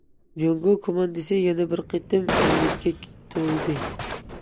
جۇڭگو كوماندىسى يەنە بىر قېتىم ئۈمىدكە تولدى.